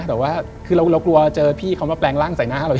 แต่ว่าคือเรากลัวเจอพี่เขามาแปลงร่างใส่หน้าเรา